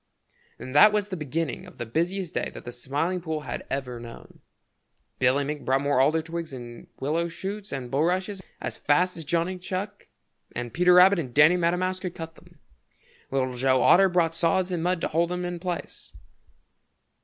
And that was the beginning of the busiest day that the Smiling Pool had ever known. Billy Mink brought more alder twigs and willow shoots and bulrushes as fast as Johnny Chuck and Peter Rabbit and Danny Meadow Mouse could cut them. Little Joe Otter brought sods and mud to hold them in place.